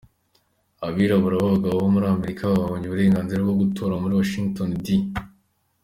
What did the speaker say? Abirabura b’abagabo bo muri Amerika babonye uburenganzira bwo gutora muri Washington D.